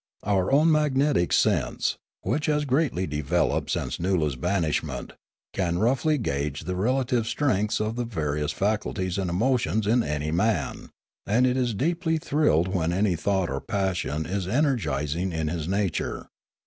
Our own magnetic sense, which has greatly developed since Noola' s banishment, can roughly gauge the relative strengths of the various faculties and emo tions in any man ; and it is deeply thrilled when any thought or passion is energising in his nature.